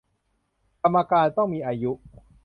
กรรมการต้องมีอายุ